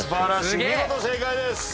見事正解です！